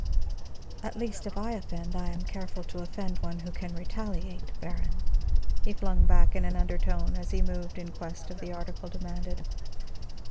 "At least, if I offend, I am careful to offend one who can retaliate, Baron," he flung back in an undertone, as he moved in quest of the article demanded.